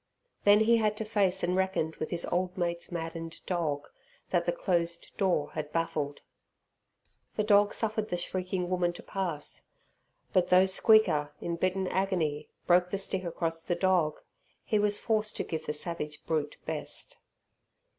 Then he had to face and reckon with his old mate's maddened dog, that the closed door had baffled. The dog suffered the shrieking woman to pass, but though Squeaker, in bitten agony, broke the stick across the dog, he was forced to give the savage brute best.